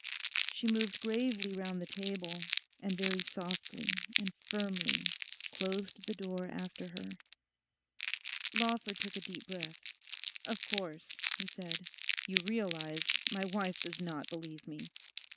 She moved gravely round the table and very softly and firmly closed the door after her. Lawford took a deep breath. 'Of course,' he said, 'you realise my wife does not believe me.